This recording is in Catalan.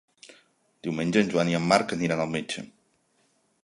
Diumenge en Joan i en Marc aniran al metge.